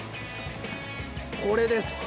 これです。